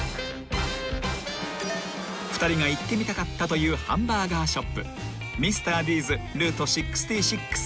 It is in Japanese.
［２人が行ってみたかったというハンバーガーショップ］